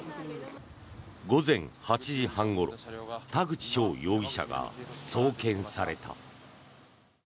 午前８時半ごろ田口翔容疑者が送検された。